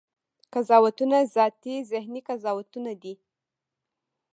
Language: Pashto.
قضاوتونه ذاتي ذهني قضاوتونه دي.